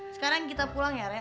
sekarang kita pulang ya rek